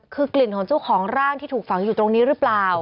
คือกลิ่นของเจ้าของร่างที่ถูกฝังอยู่ตรงนี้หรือเปล่า